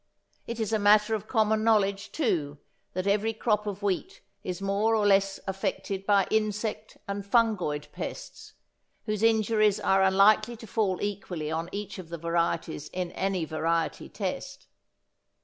It is a matter of common knowledge too that every crop of wheat is more or less affected by insect and fungoid pests, whose injuries are unlikely to fall equally on each of the varieties in any variety test.